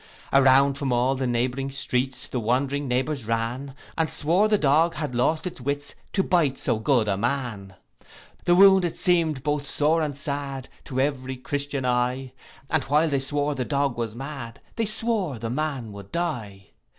Around from all the neighbouring streets, The wondering neighbours ran, And swore the dog had lost his wits, To bite so good a man. The wound it seem'd both sore and sad, To every Christian eye; And while they swore the dog was mad, They swore the man would die.